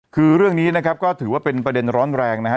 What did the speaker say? คือเรื่องนี้นะครับก็ถือว่าเป็นประเด็นร้อนแรงนะฮะ